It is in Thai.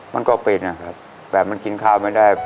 มันก็เป็นนะครับแบบมันกินข้าวไม่ได้